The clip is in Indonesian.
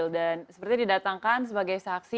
dan seperti didatangkan sebagai saksi